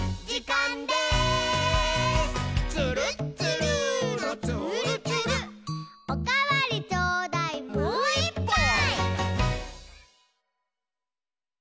「つるっつるーのつーるつる」「おかわりちょうだい」「もういっぱい！」